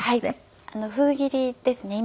封切りですね。